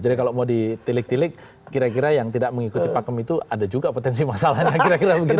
jadi kalau mau ditilik tilik kira kira yang tidak mengikuti pakem itu ada juga potensi masalahnya kira kira begitu